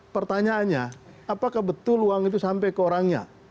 pertanyaannya apakah betul uang itu sampai ke orangnya